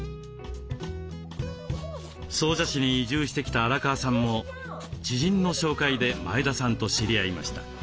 総社市に移住してきた荒川さんも知人の紹介で前田さんと知り合いました。